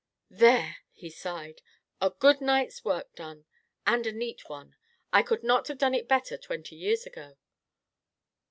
"There!" he sighed. "A good night's work done, and a neat one. I could not have done it better twenty years ago.